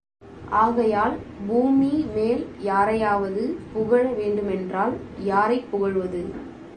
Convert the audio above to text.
ஆகையால் பூமி மேல் யாரையாவது புகழ வேண்டுமென்றால் யாரைப் புகழ்வது?